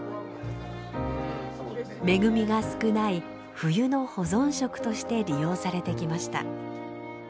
恵みが少ない冬の保存食として利用されてきました。